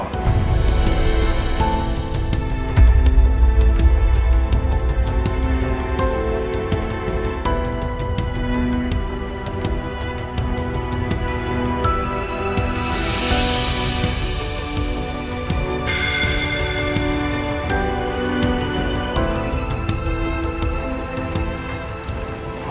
lo harus bebas sa